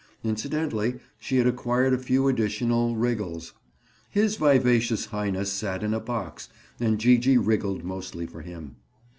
Incidentally, she had acquired a few additional wriggles. His Vivacious Highness sat in a box and Gee gee wriggled mostly for him.